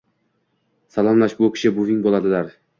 Salomlash, bu kishi buving boʻladilar